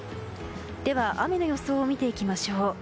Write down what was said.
では、雨の予想を見ていきます。